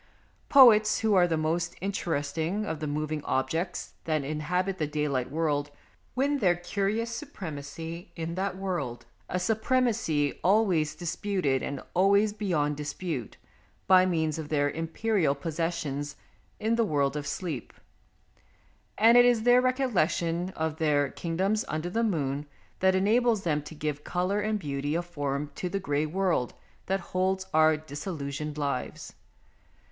Poets, who are the most interesting of the moving objects that inhabit the daylight world, win their curious supremacy in that world, a supremacy always disputed and always beyond dispute, by means of their imperial possessions in the world of sleep, and it is their recollection of their kingdoms under the moon that enables them to give colour and beauty of form to the grey world that holds our disillusioned lives.